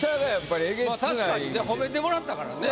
褒めてもらったからね。